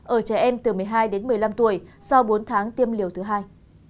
ở trẻ em từ một mươi hai đến một mươi năm tuổi sau bốn tháng tiêm liều thứ hai